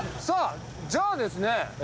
さあじゃあですね